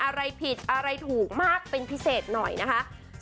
อะไรผิดอะไรถูกมากเป็นพิเศษหน่อยนะคะ